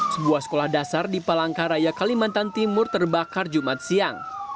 sebuah sekolah dasar di palangkaraya kalimantan timur terbakar jumat siang